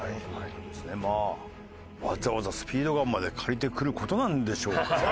まあわざわざスピードガンまで借りてくる事なんでしょうか？